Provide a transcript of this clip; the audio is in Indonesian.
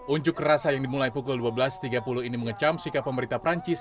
unjuk rasa yang dimulai pukul dua belas tiga puluh ini mengecam sikap pemerintah perancis